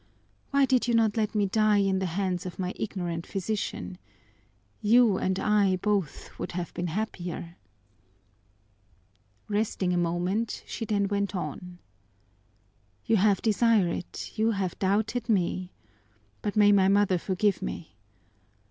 Why did you not let me die in the hands of my ignorant physician? You and I both would have been happier!" Resting a moment, she then went on: "You have desired it, you have doubted me! But may my mother forgive me!